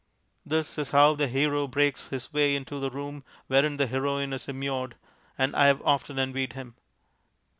(This is how the hero breaks his way into the room wherein the heroine is immured, and I have often envied him.)